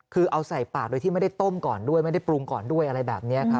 คือเอาใส่ปากโดยที่ไม่ได้ต้มก่อนด้วยไม่ได้ปรุงก่อนด้วยอะไรแบบนี้ครับ